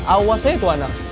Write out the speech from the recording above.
awas aja tuh anak